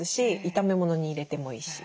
炒め物に入れてもいいし。